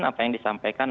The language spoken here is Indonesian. apa yang disampaikan